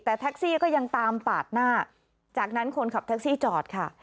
แต่แท็กซี่ก็ยังตามปาดหน้าจากนั้นคนขับแท็กซี่จอดค่ะ